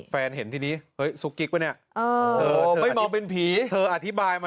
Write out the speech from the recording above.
เห็นทีนี้เฮ้ยซุกกิ๊กปะเนี่ยไม่มองเป็นผีเธออธิบายมา